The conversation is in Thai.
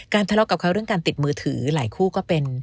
ทะเลาะกับเขาเรื่องการติดมือถือหลายคู่ก็เป็น